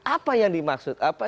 apa yang dimaksud